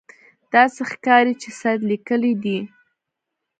داسې ښکاري چې سید لیکلي دي.